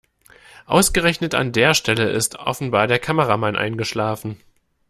Ausgerechnet an der Stelle ist offenbar der Kameramann eingeschlafen.